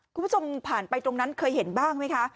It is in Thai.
คุณผู้ชมผ่านไปตรงนั้นเคยเห็นบ้างไหมคะ